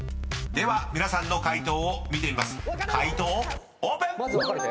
［では皆さんの解答を見てみます解答オープン！］